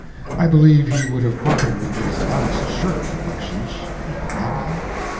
I believe he would have parted with his last shirt for bucksheesh if he had had one.